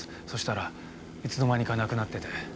そしたらいつの間にかなくなってて。